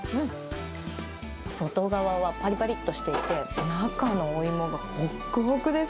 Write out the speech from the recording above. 外側はぱりぱりっとしていて、中のおいもがほっくほくです。